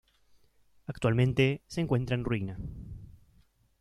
Actualmente se encuentra en ruina.